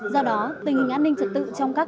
do đó tình hình an ninh trật tự trong các